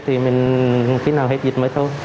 thì mình khi nào hết dịch mới thôi